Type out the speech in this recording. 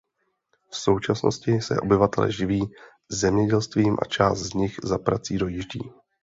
V současnosti se obyvatelé živí zemědělstvím a část z nich za prací dojíždí.